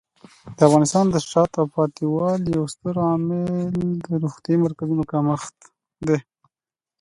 د افغانستان د شاته پاتې والي یو ستر عامل د روغتیايي مرکزونو کمښت دی.